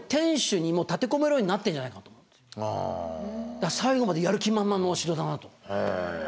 だから最後までやる気満々のお城だなと。